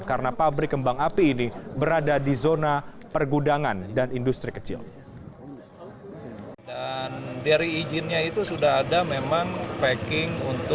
karena pabrik ini tidak berjalan ke kawasan industri sejak tahun dua ribu enam belas